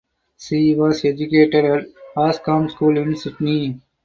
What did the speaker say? She was educated at Ascham School in Sydney.